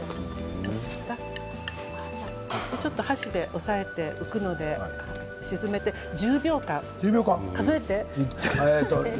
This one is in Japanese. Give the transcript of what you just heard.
ちょっと箸で押さえて浮くので沈めて１０秒間です。